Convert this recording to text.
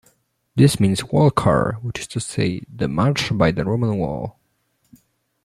This means 'wall-carr', that is to say, 'the marsh by the Roman wall'.